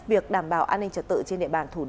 việc đảm bảo an ninh trật tự